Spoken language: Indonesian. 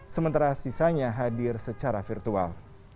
sementara sisanya hadir secara virtual